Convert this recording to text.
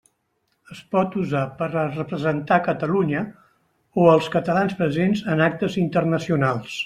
Es pot usar per a representar Catalunya, o els catalans presents en actes internacionals.